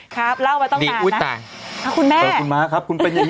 ครับเล่ามาต้องต่างนะฮะคุณแม่สวัสดีคุณม้าคับ